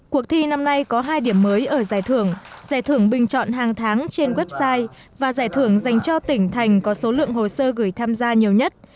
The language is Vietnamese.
cuộc thi năm nay có hai điểm mới ở giải thưởng giải thưởng bình chọn hàng tháng trên website và giải thưởng dành cho tỉnh thành có số lượng hồ sơ gửi tham gia nhiều nhất